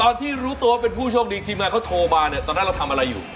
ตอนที่รู้ตัวว่าเป็นผู้โชคดีทีมงานเขาโทรมาเนี่ยตอนนั้นเราทำอะไรอยู่